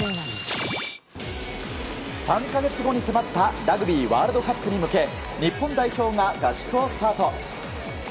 ３か月後に迫ったラグビーワールドカップに向け日本代表が合宿をスタート。